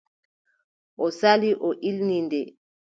O sali, o illi nde.